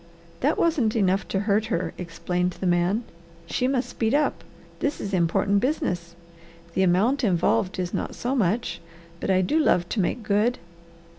"That wasn't enough to hurt her," explained the man. "She must speed up. This is important business. The amount involved is not so much, but I do love to make good.